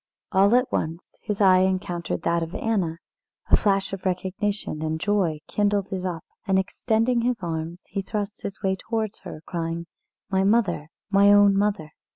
All at once his eye encountered that of Anna. A flash of recognition and joy kindled it up, and, extending his arms, he thrust his way towards her, crying: "My mother! my own mother!"